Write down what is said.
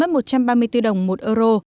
mất một trăm ba mươi bốn đồng một euro